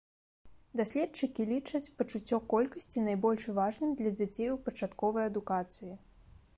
Даследчыкі лічаць пачуццё колькасці найбольш важным для дзяцей у пачатковай адукацыі.